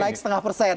naik setengah persen